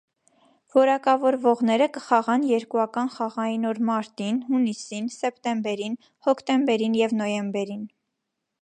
Որակավորվողները կխաղան երկուական խաղային օր մարտին, հունիսին, սեպտեմբերին, հոկտեմբերին և նոյեմբերին։